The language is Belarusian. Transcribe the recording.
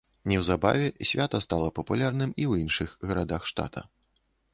Неўзабаве свята стала папулярным і ў іншых гарадах штата.